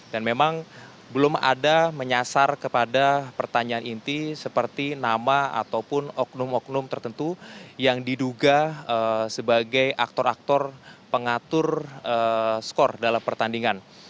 dan memang belum ada menyasar kepada pertanyaan inti seperti nama ataupun oknum oknum tertentu yang diduga sebagai aktor aktor pengatur skor dalam pertandingan